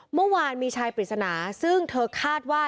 เมื่อวานมีชายปริศนาซึ่งเธอคาดว่า